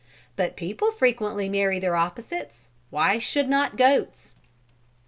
But people frequently marry their opposites, and why should not goats?